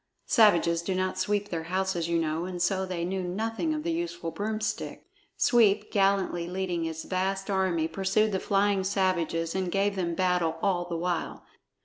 (Savages do not sweep their houses, you know, and so they knew nothing of the useful broomstick.) Sweep, gallantly leading his vast army, pursued the flying savages and gave them battle all the while.